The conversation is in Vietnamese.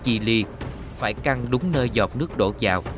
chi ly phải căng đúng nơi giọt nước đổ vào